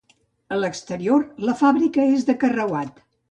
A l'exterior, la fàbrica és de carreuat.